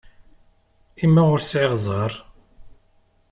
I ma ur sεiɣ ẓẓher?